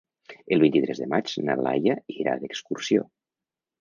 El vint-i-tres de maig na Laia irà d'excursió.